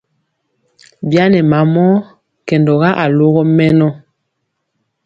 Bi a nɛ mamɔ kɛndɔga alogɔ mɛnɔ.